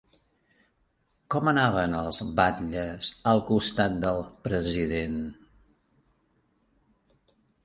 Com anaven els batlles al costat del president?